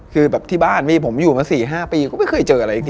คือแบบที่บ้านมีผมอยู่มา๔๕ปีก็ไม่เคยเจออะไรอีกที